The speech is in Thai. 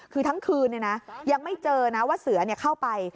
คือทั้งคืนยังไม่เจอนะว่าเสือเข้าไป